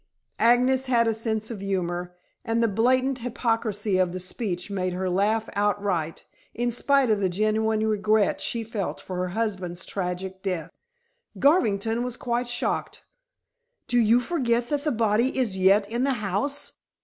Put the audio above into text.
Agnes had a sense of humor, and the blatant hypocrisy of the speech made her laugh outright in spite of the genuine regret she felt for her husband's tragic death. Garvington was quite shocked. "Do you forget that the body is yet in the house?"